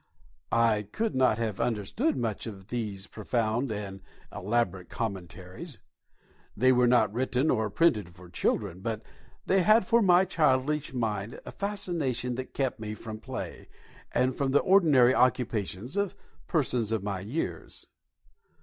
I could not have understood much of these profound and elaborate commentaries. They were not written or printed for children, but they had for my childish mind a fascination that kept me from play, and from the ordinary occupations of persons of my years.